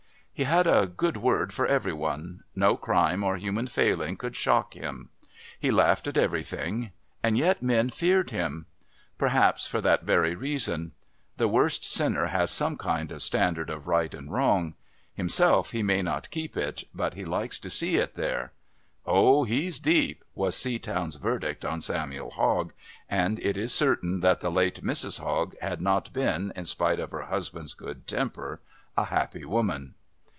He had a good word for every one; no crime or human failing could shock him. He laughed at everything. And yet men feared him. Perhaps for that very reason. The worst sinner has some kind of standard of right and wrong. Himself he may not keep it, but he likes to see it there. "Oh, he's deep," was Seatown's verdict on Samuel Hogg, and it is certain that the late Mrs. Hogg had not been, in spite of her husband's good temper, a happy woman.